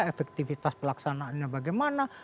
efektivitas pelaksanaannya bagaimana